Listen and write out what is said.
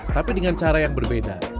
tapi dengan cara yang berbeda